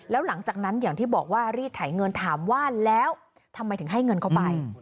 แล้วหลังจากนั้นอย่างที่บอกว่ารีดไถเงินถามว่าแล้วทำไมถึงให้เงินเขาไป